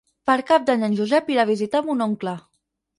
Per Cap d'Any en Josep irà a visitar mon oncle.